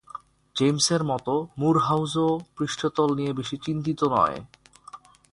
জেমসের মতো, মুরহাউসও পৃষ্ঠতল নিয়ে বেশি চিন্তিত নয়।